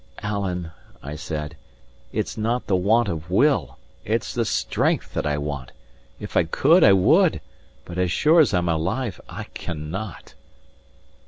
"Alan," I said, "it's not the want of will: it's the strength that I want. If I could, I would; but as sure as I'm alive I cannot."